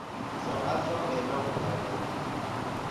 ساعت را اعلام کردن